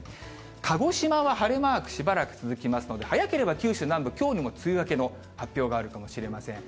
鹿児島は晴れマーク、しばらく続きますので、早ければ九州南部、きょうにも梅雨明けの発表があるかもしれません。